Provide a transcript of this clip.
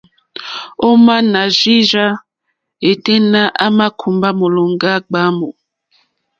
Ò má nà rzí rzâ yêténá à mà kùmbá mólòmbá gbǎmù.